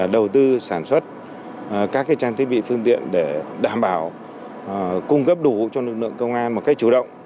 đầu tư sản xuất các trang thiết bị phương tiện để đảm bảo cung cấp đủ cho lực lượng công an một cách chủ động